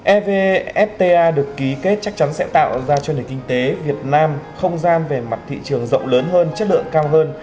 evfta được ký kết chắc chắn sẽ tạo ra cho nền kinh tế việt nam không gian về mặt thị trường rộng lớn hơn chất lượng cao hơn